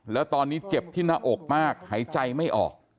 แล้วตอนนี้เจ็บที่หน้าอกมากหายใจไม่ออก